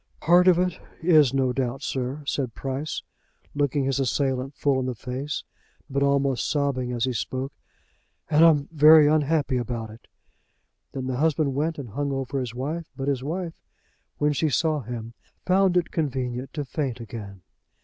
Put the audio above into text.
"Part of it is no doubt, sir," said Price, looking his assailant full in the face, but almost sobbing as he spoke, "and I'm very unhappy about it." Then the husband went and hung over his wife, but his wife, when she saw him, found it convenient to faint again.